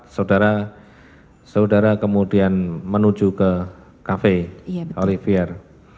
saudara kemudian menuju ke cafe olivier